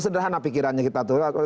sederhana pikirannya kita tuh